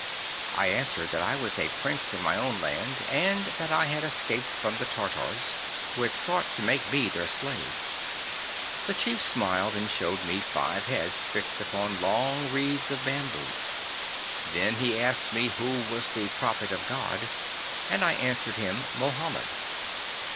'I answered that I was a Prince in my own land, and that I had escaped from the Tartars, who had sought to make me their slave. The chief smiled, and showed me five heads fixed upon long reeds of bamboo. 'Then he asked me who was the prophet of God, and I answered him Mohammed.